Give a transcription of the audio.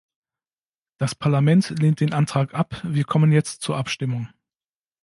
Das Parlament lehnt den Antrag ab Wir kommen jetzt zur Abstimmung.